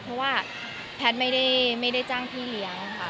เพราะว่าแพทย์ไม่ได้จ้างพี่เลี้ยงค่ะ